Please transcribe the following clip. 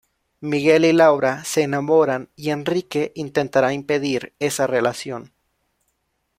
Miguel y Laura se enamoran y Henrique intentará impedir esa relación.